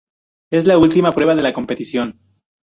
Es la última prueba de la competición.